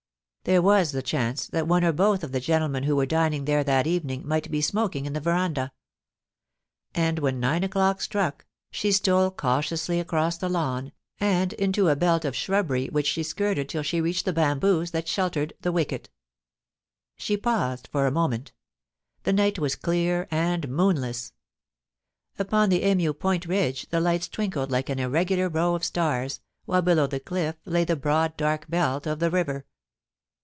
There was the chance that one or both of the gentlemen who were dining there that evening might be smoking in the verandah; and when nine o'clock struck, she stole cautiously across the lawn, and into a belt of shrubbery which she skirted till she reached the bamboos that sheltered the wicket. She paused for a moment. The night was clear and moonless. Upon the Emu Point ridge the lights twinkled like an irregular row of stars, while below the cliff lay the broad dark belt of the river.